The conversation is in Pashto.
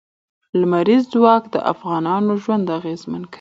لمریز ځواک د افغانانو ژوند اغېزمن کوي.